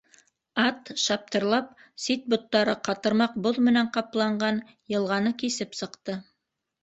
Ат шаптырлап сит-боттары ҡытырмаҡ боҙ менән ҡапланған йылғаны кисеп сыҡты.